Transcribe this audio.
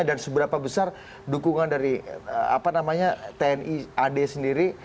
dan seberapa besar dukungan dari tni ad sendiri